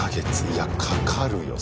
いやかかるよ